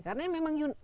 karena memang unik ya